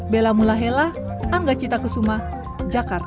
bella mulahela angga cita kusuma jakarta